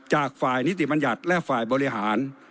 จากฝ่ายนิติบัญญัติและฝ่ายบริหาร